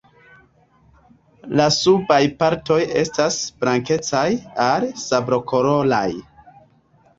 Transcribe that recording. La subaj partoj estas blankecaj al sablokoloraj.